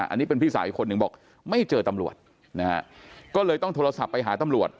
อันนี้เป็นพี่สาวอีกคนนึงบอกไม่เจอตำรวจนะฮะก็เลยต้องโทรศัพท์ไปหาตำรวจ